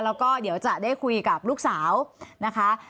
แล้วก็เดี๋ยวจะได้คุยกับลูกสาวนะคะ